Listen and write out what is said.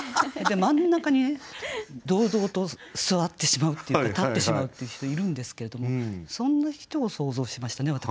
真ん中にね堂々と座ってしまうっていうか立ってしまうっていう人いるんですけれどもそんな人を想像しましたね